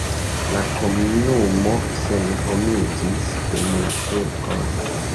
La komunumo senhomiĝis dum la turkoj.